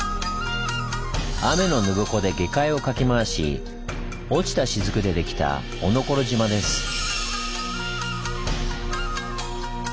天の沼矛で下界をかき回し落ちたしずくでできた「おのころ島」です。